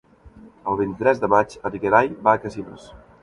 El vint-i-tres de maig en Gerai va a Casinos.